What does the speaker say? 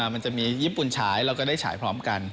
มันจะมีญี่ปุ่นฉายเราก็ได้ฉายพร้อมกัน